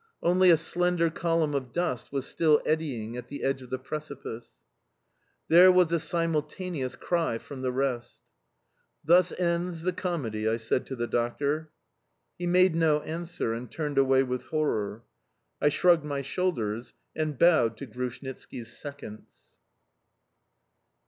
Only a slender column of dust was still eddying at the edge of the precipice. There was a simultaneous cry from the rest. "Finita la commedia!" I said to the doctor. He made no answer, and turned away with horror. I shrugged my shoulders and bowed to Grushnitski's seconds.